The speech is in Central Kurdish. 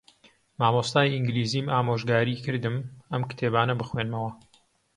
مامۆستای ئینگلیزیم ئامۆژگاریی کردم ئەم کتێبانە بخوێنمەوە.